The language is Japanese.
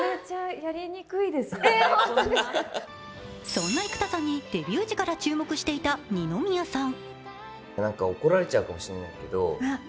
そんな幾田さんにデビュー時から注目していた二宮さん。